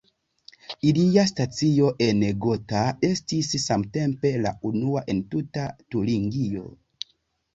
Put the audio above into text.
Ilia stacio en Gotha estis samtempe la unua en tuta Turingio.